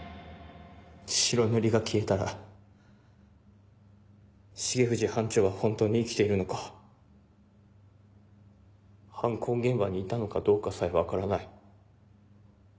白塗りが消えたら重藤班長は本当に生きているのか犯行現場にいたのかどうかさえ分からない。